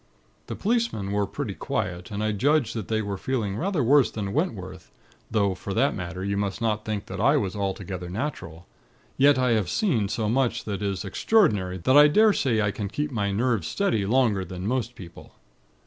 "The policemen were pretty quiet, and I judged that they were feeling rather worse than Wentworth; though, for that matter, you must not think that I was altogether natural; yet I have seen so much that is extraordinary, that I daresay I can keep my nerves steady longer than most people.